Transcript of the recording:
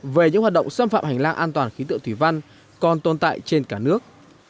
về những hoạt động xâm phạm hành lang an toàn khí tượng thủy văn còn tồn tại trên cả nước